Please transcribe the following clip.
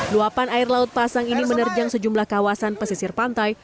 luapan air laut pasang ini menerjang sejumlah kawasan pesisir pantai